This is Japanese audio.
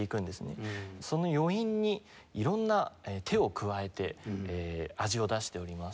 その余韻に色んな手を加えて味を出しております。